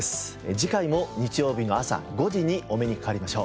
次回も日曜日の朝５時にお目にかかりましょう。